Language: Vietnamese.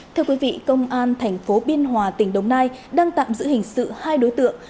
thưa quý vị công an thành phố biên hòa tỉnh đồng nai đang tạm giữ hình sự hai đối tượng